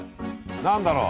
何だろう？